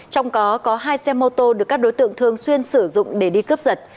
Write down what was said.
trong đó có hai xe mô tô được các đối tượng thường xuyên sử dụng để đi cướp giật